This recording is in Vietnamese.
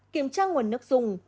kiểm tra nguồn nước dùng